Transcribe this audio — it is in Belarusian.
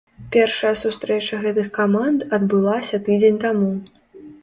Першая сустрэча гэтых каманд адбылася тыдзень таму.